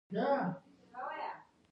د مور غیږه لومړنی ښوونځی دی.